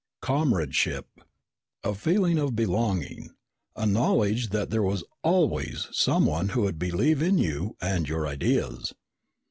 Comradeship. A feeling of belonging, a knowledge that there was always someone who would believe in you and your ideas.